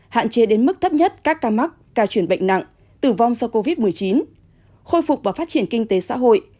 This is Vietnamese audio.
hạn chế đến mức thấp nhất các ca mắc ca chuyển bệnh nặng tử vong do covid một mươi chín khôi phục và phát triển kinh tế xã hội